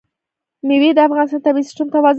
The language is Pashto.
مېوې د افغانستان د طبعي سیسټم توازن ساتي.